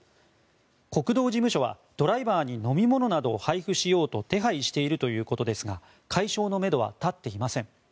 国道事務所はドライバーに飲み物などを配布しようと手配しているということですが解消のめどは立っていません。